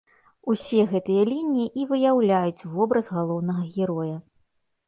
Усе гэтыя лініі і выяўляюць вобраз галоўнага героя.